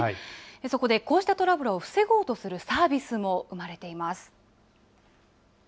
そこでこうしたトラブルを防ごうとするサービスも生まれています。